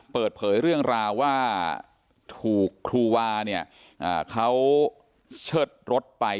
เปิดเผยเรื่องราวว่าถูกครูวาเนี่ยเขาเชิดรถไป